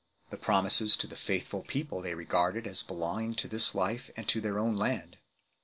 The promises to the faithful people they regarded as belonging to this life and to their own land.